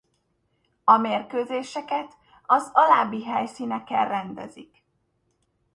A mérkőzéseket az alábbi helyszíneken rendezik.